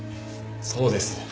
そうです。